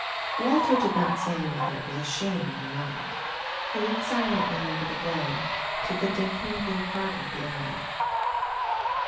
Walter did not say whether it was a shame or not. He looked silently over the Glen to the dimpling blue harbour beyond.